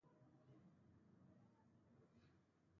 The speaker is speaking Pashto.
ایا زه به نور نه ماتیږم؟